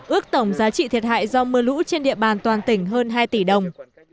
ước tổng giá trị thiệt hại do mưa lũ trên địa bàn toàn tỉnh hơn hai tỷ đồng